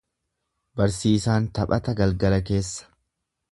Barsiisaan taphata galgala keessa.